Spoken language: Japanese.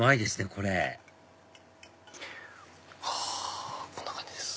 これはぁこんな感じです。